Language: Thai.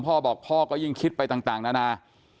พ่อบอกพ่อก็ยิ่งคิดไปต่างนานา